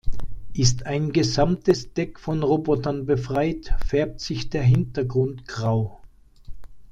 Ist ein gesamtes Deck von Robotern befreit, färbt sich der Hintergrund grau.